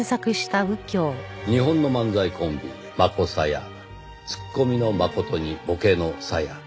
「日本の漫才コンビマコサヤ」「ツッコミのマコトにボケのサヤ」